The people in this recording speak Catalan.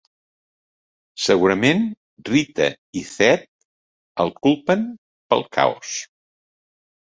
Segurament, Rita i Zedd el culpen pel caos.